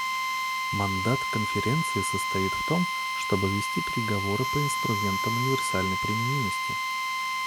Мандат Конференции состоит в том, чтобы вести переговоры по инструментам универсальной применимости.